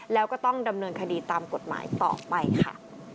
แล้วก็ต้องดำเนินคดีตามกฎหมายต่อไปค่ะ